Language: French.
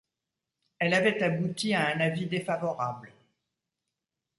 Elle avait abouti à un avis défavorable.